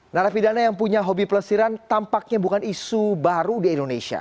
narapidana yang punya hobi pelesiran tampaknya bukan isu baru di indonesia